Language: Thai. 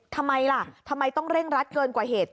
ทำไมล่ะทำไมต้องเร่งรัดเกินกว่าเหตุ